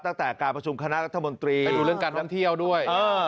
ตั้งแต่การประชุมคณะรัฐมนตรีไปดูเรื่องการท่องเที่ยวด้วย